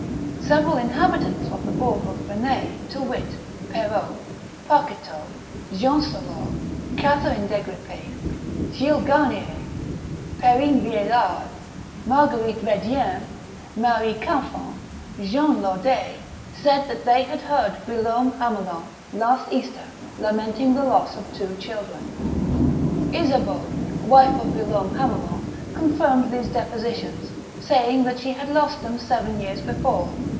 Several inhabitants of the bourg of Fresnay, to wit, Perrot, Parqueteau, Jean Soreau, Catherine Degrepie, Gilles Gamier, Perrine Viellard, Marguerite Kediern, Marie Carfin, Jeanne Laudais, said that they had heard Guillaume Hamelin, last Easter, lamenting the loss of two children. Isabeau, wife of Guillaume Hamelin, confirmed these depositions, saying that she had lost them seven years before.